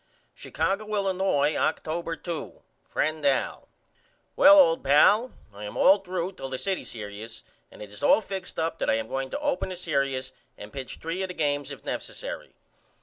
Chicago, Illinois, October 2. FRIEND AL: Well old pal I am all threw till the city serious and it is all fixed up that I am going to open the serious and pitch 3 of the games if nessary.